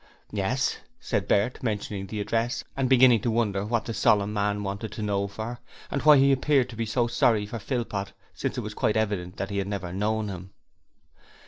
'Yes,' said Bert, mentioning the address and beginning to wonder what the solemn man wanted to know for, and why he appeared to be so sorry for Philpot since it was quite evident that he had never known him.